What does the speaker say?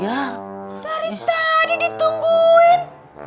dari tadi ditungguin